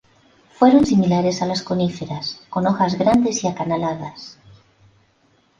Fueron similares a las coníferas con hojas grandes y acanalados.